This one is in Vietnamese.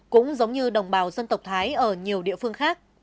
cũng giống như đồng bào dân tộc thái ở nhiều địa phương khác